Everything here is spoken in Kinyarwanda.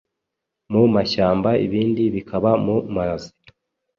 mu mashyamba ibindi bikaba mu mazi.